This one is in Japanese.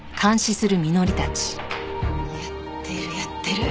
やってるやってる。